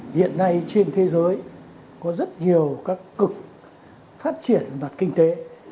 hiện nay trên thế giới có rất nhiều các cực phát triển mặt kinh tế